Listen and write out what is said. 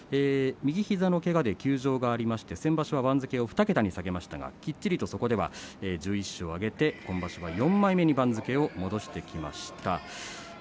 右膝のけがで休場がありまして先場所は番付を２桁まで下げましたがそこでは、きっちりと１１勝を挙げて今場所４枚目まで番付を戻してきました。